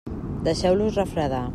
Deixeu-los refredar.